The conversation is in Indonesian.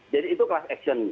jadi itu kelas aksion